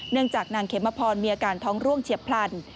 จากนางเขมพรมีอาการท้องร่วงเฉียบพลัน